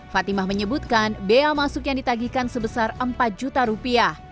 fatimah menyebutkan bea masuk yang ditagihkan sebesar empat juta rupiah